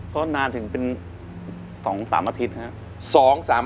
ก็นานถึงเป็น๒๓อาทิตย์นะครับ